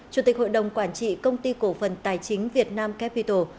chủ tịch hội đồng quản trị công ty cổ phần tài chính việt nam capital